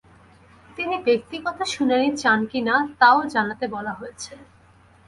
তিনি ব্যক্তিগত শুনানি চান কি না, তা ও জানাতে বলা হয়েছে।